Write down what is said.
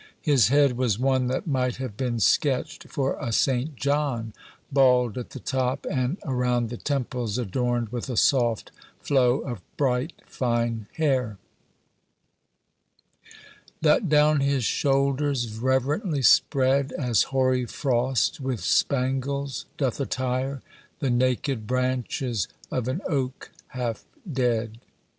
His head was one that might have been sketched for a St. John bald at the top, and around the temples adorned with a soft flow of bright fine hair, "That down his shoulders reverently spread, As hoary frost with spangles doth attire The naked branches of an oak half dead."